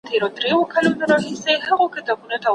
له ازل هېره افغانستانه